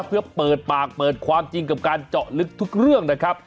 เพื่อเปิดปากเปิดความจริงกับการเจาะลึกทุกเรื่องนะครับ